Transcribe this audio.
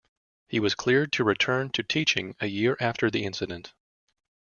He was cleared to return to teaching a year after the incident.